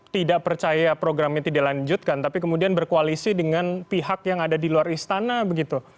tidak percaya program ini dilanjutkan tapi kemudian berkoalisi dengan pihak yang ada di luar istana begitu